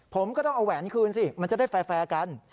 ผมก็ต้องเอาแหวนคืนสิมันจะได้แฟร์กัน